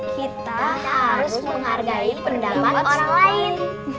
kita harus menghargai pendapat orang lain